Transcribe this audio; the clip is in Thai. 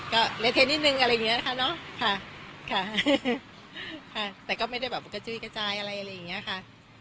ก็ระเทนนิดนึงอะไรอย่างนี้ค่ะแต่ก็ไม่ได้แบบกระจุ้ยกระจายอะไรอย่างนี้ค่ะ